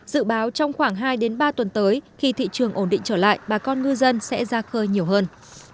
dự báo trong khoảng hai ba tuần tới khi thị trường ổn định trở lại bà con ngư dân sẽ ra khơi nhiều hơn